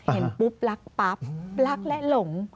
เห็นปุ๊บรักปั๊บรักและหลง